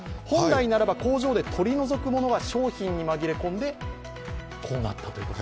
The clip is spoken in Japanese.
本来ならば工場で取り除くものが商品に紛れ込んでこうなったと。